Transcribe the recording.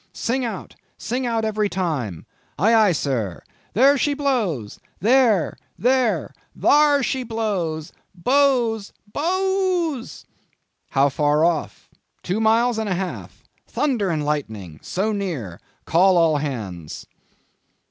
"Sing out! sing out every time!" "Ay Ay, sir! There she blows! there—there—thar she blows—bowes—bo o os!" "How far off?" "Two miles and a half." "Thunder and lightning! so near! Call all hands."